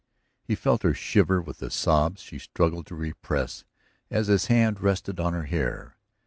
He felt her shiver with the sobs she struggled to repress as his hand rested on her hair.